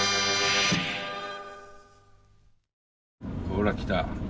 ほら来た。